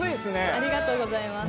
ありがとうございます。